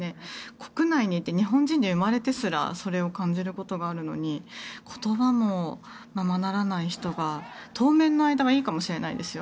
国内にいて日本人に生まれてすらそれを感じることがあるのに言葉もままならない人が当面の間はいいかもしれないですよ。